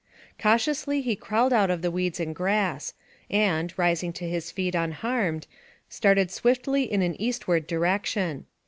Cautiously he crawled out of the weeds and grass, AMONG THE SIOUX INDIANS. 31 and, rising to his feet unharmed, started swiftly in an eastward direction.